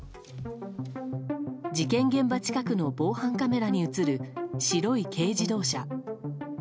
事件現場近くの防犯カメラに映る白い軽自動車。